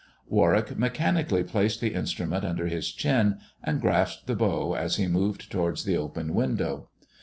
Warwick mechanically placed the instrument under his chin, and grasped the bow as he moved towards the open window.